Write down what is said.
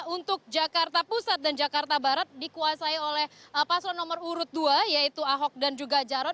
untuk jakarta pusat dan jakarta barat dikuasai oleh paslon nomor urut dua yaitu ahok dan juga jarot